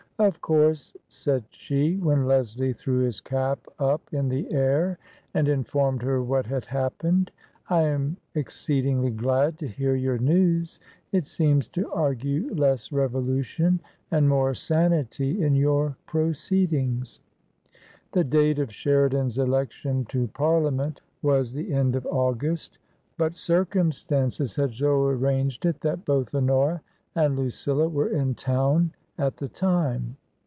" Of course," said she, when Leslie threw his cap up in the air and informed her what had happened, " I am exceedingly glad to hear your news. It seems to argue less revolution and more sanity in your proceedings." The date of Sheridan's election to Parliament was the end of August. But circumstances had so arranged it that both Honora and Lucilla were in town at the time.